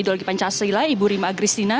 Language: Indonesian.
ideologi pancasila ibu rima gristina